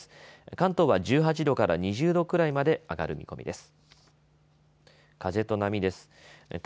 関東は１８度から２０度くらいまで上がる見込みです。